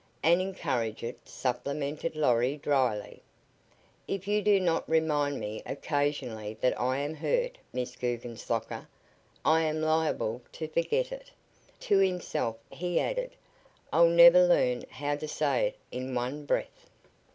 "And encourage it," supplemented Lorry, drily. "If you do not remind me occasionally that I am hurt, Miss Guggenslocker, I am liable to forget it." To himself he added: "I'll never learn how to say it in one breath."